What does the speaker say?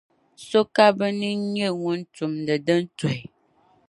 so ka bɛ ni n-nyɛ ŋun tumdi din tuhi.